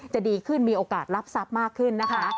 จะดีขึ้นมีโอกาสรับมากขึ้นนะคะ